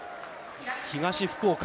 東福岡。